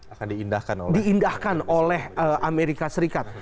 akan diindahkan oleh amerika serikat